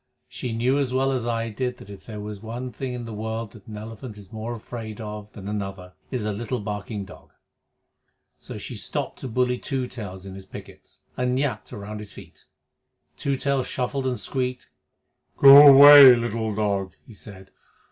She knew as well as I did that if there is one thing in the world the elephant is more afraid of than another it is a little barking dog. So she stopped to bully Two Tails in his pickets, and yapped round his big feet. Two Tails shuffled and squeaked. "Go away, little dog!" he said.